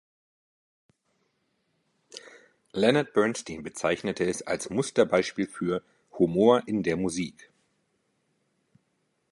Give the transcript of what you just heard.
Leonard Bernstein bezeichnete es als Musterbeispiel für „Humor in der Musik“.